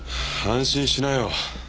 安心しなよ。